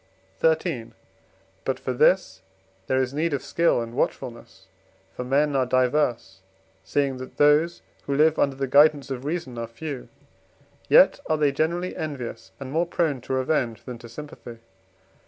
XIII. But for this there is need of skill and watchfulness. For men are diverse (seeing that those who live under the guidance of reason are few), yet are they generally envious and more prone to revenge than to sympathy.